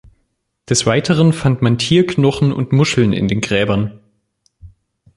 Des Weiteren fand man Tierknochen und Muscheln in den Gräbern.